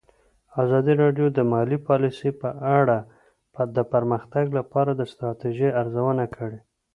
ازادي راډیو د مالي پالیسي په اړه د پرمختګ لپاره د ستراتیژۍ ارزونه کړې.